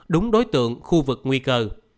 đúng đối tượng khu vực nguy cơ